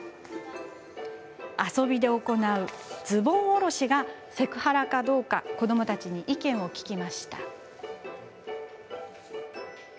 遊びで行うズボンおろしがセクハラかどうか子どもたちに意見を聞きました。